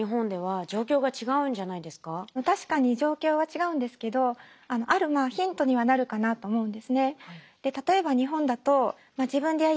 でも確かに状況は違うんですけどあるヒントにはなるかなと思うんですね。